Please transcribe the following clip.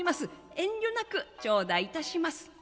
遠慮なく頂戴いたします」。